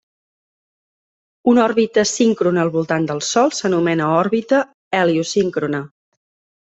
Una òrbita síncrona al voltant del Sol s'anomena òrbita heliosíncrona.